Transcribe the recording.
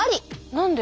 何で？